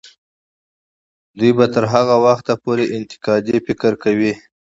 دوی به تر هغه وخته پورې انتقادي فکر کوي.